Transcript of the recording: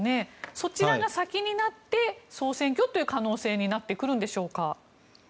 そちらが先になって総選挙という可能性になってくるんでしょうか？